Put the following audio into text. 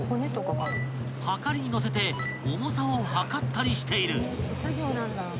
［はかりに載せて重さを量ったりしている］